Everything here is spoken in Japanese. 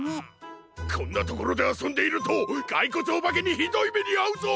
こんなところであそんでいるとがいこつおばけにひどいめにあうぞ！